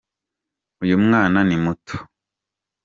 uyumwana nimuto